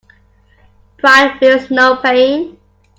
Pride feels no pain.